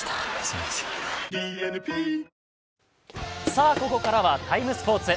さあ、ここからは「ＴＩＭＥ，スポーツ」。